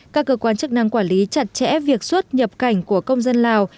các cơ quan chức năng quản lý chặt chẽ việc xuất nhập cảnh của công dân lào